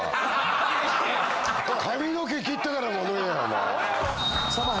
髪の毛切ってから物言えお前。